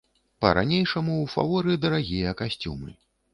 Па-ранейшаму ў фаворы дарагія касцюмы.